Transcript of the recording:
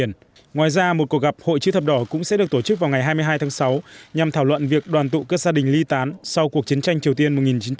ngoài ra một cuộc gặp hội chữ thập đỏ cũng sẽ được tổ chức vào ngày hai mươi hai tháng sáu nhằm thảo luận việc đoàn tụ các gia đình ly tán sau cuộc chiến tranh triều tiên một nghìn chín trăm năm mươi một nghìn chín trăm năm mươi ba